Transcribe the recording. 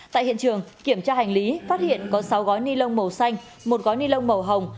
tại hiện trường kiểm tra hành lý phát hiện có sáu gói ni lông màu xanh một gói ni lông màu hồng